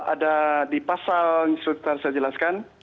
ada di pasal misalnya kita harus jelaskan